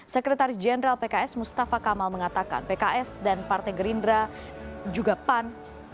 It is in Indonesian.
sekretaris jenderal pks mustafa kamal mengatakan pks dan partai gerindra juga pan